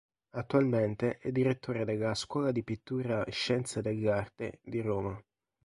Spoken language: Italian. Attualmente è direttore della Scuola di Pittura "Scienza dell'Arte" di Roma.